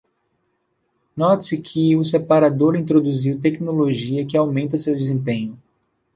Note-se que o separador introduziu tecnologia que aumenta seu desempenho.